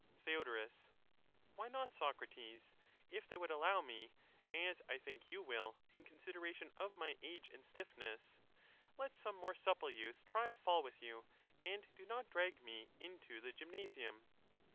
Theod, Why not, Socrates, if they would allow me, as I think you will, in consideration of my age and stiffness ; let some more supple youth try a fall with you, and do not drag me into the gymnasium.